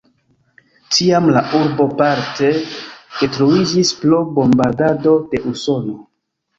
Tiam la urbo parte detruiĝis pro bombardado de Usono.